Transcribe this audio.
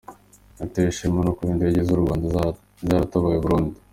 Natewe ishema no kuba indege z’u Rwanda zaratabaye i Burundi